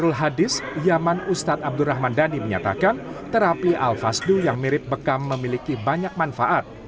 al hadis yaman ustadz abdurrahman dhani menyatakan terapi al fasdu yang mirip bekam memiliki banyak manfaat